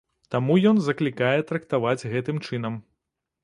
Таму і ён заклікае трактаваць гэтым чынам.